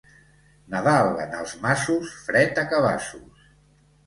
Nadal en els masos, fred a cabassos.